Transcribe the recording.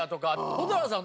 蛍原さん